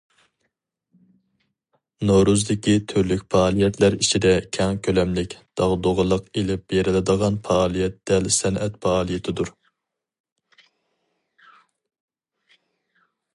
نورۇزدىكى تۈرلۈك پائالىيەتلەر ئىچىدە كەڭ كۆلەملىك، داغدۇغىلىق ئېلىپ بېرىلىدىغان پائالىيەت دەل سەنئەت پائالىيىتىدۇر.